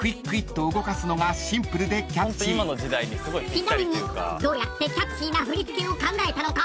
ちなみにどうやってキャッチーな振り付けを考えたのか。